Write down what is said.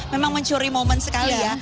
memang mencuri momen sekali ya